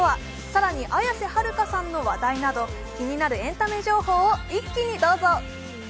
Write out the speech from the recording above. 更に綾瀬はるかさんの話題など気になるエンタメ情報を一気にどうぞ。